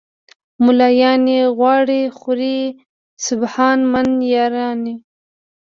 "ملایان یې غواړي خوري سبحان من یرانی".